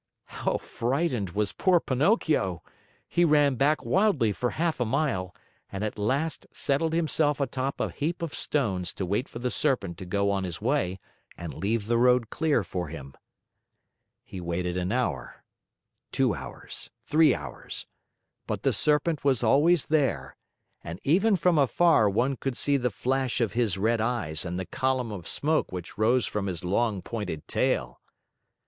How frightened was poor Pinocchio! He ran back wildly for half a mile, and at last settled himself atop a heap of stones to wait for the Serpent to go on his way and leave the road clear for him. He waited an hour; two hours; three hours; but the Serpent was always there, and even from afar one could see the flash of his red eyes and the column of smoke which rose from his long, pointed tail.